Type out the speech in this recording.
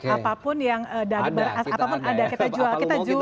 apapun yang ada kita jual